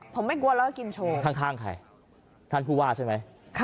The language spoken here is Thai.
ผมไม่กลัวแล้วก็กินโชว์ข้างใครท่านผู้ว่าใช่ไหม